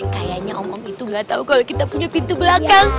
kayaknya om om itu gatau kalo kita punya pintu belakang